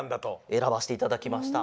選ばせていただきました。